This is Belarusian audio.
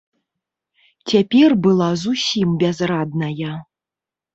Цяпер была зусім бязрадная.